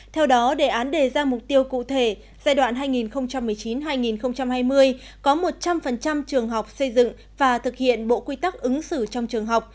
theo đó đề án đề ra mục tiêu cụ thể giai đoạn hai nghìn một mươi chín hai nghìn hai mươi có một trăm linh trường học xây dựng và thực hiện bộ quy tắc ứng xử trong trường học